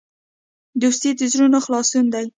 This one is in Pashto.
دوستي د زړونو خلاصون دی.